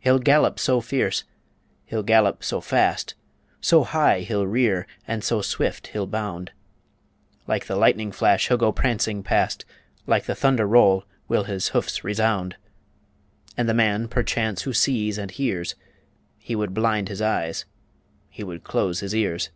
He'll gallop so fierce, he'll gallop so fast, So high he'll rear, and so swift he'll bound Like the lightning flash he'll go prancing past, Like the thunder roll will his hoofs resound And the man perchance who sees and hears, He would blind his eyes, he would close his ears.